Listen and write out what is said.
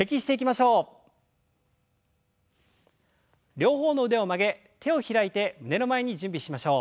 両方の腕を曲げ手を開いて胸の前に準備しましょう。